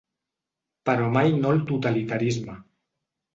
Però mai no al totalitarisme.